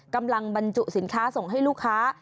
กำลังบรรจุสินค้าส่งให้ลูกค้า